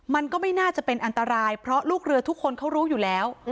มันก็ไม่น่าจะเป็นอันตรายเพราะลูกเรือทุกคนเขารู้อยู่แล้ว